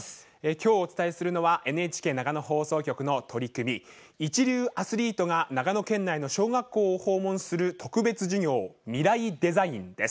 今日お伝えするのはＮＨＫ長野放送局の取り組み一流のアスリートが長野県内の小学校を訪問する特別授業「ミライ×デザイン」です。